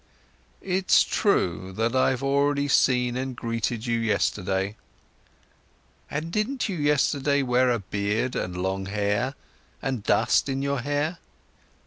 "It's true that I've already seen and greeted you yesterday." "But didn't you yesterday wear a beard, and long hair, and dust in your hair?"